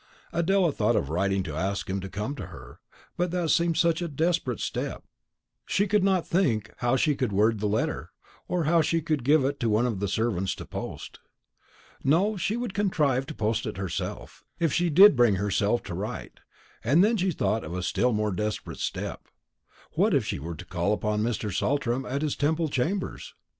Adela thought of writing to ask him to come to her; but that seemed such a desperate step, she could not think how she should word the letter, or how she could give it to one of the servants to post. No, she would contrive to post it herself, if she did bring herself to write. And then she thought of a still more desperate step. What if she were to call upon Mr. Saltram at his Temple chambers?